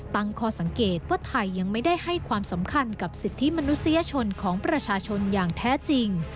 ตั้งข้อสังเกตว่าไทยยังไม่ได้ให้ความสำคัญกับสิทธิมนุษยชนของประชาชนอย่างแท้จริง